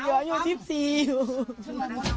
หมดเกียวหนึ่งหมดเกียว๑๔อยู่